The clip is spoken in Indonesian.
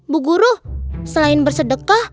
bu guru selain bersedekah